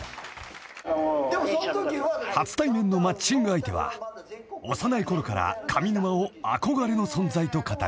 ［初対面のマッチング相手は幼い頃から上沼を憧れの存在と語る］